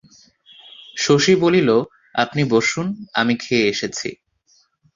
শশী বলিল, আপনি বসুন, আমি খেয়ে এসেছি।